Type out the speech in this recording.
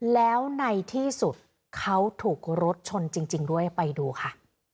แล้วในที่สุดเขาถูกรถชนจริงด้วยไปดูค่ะ